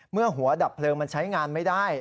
เมื่อหัวดับเพลิงมันใช้งานไม่ได้